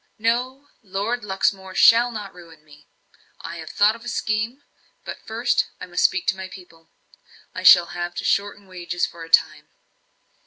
"No, Lord Luxmore shall not ruin me! I have thought of a scheme. But first I must speak to my people I shall have to shorten wages for a time."